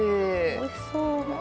おいしそう。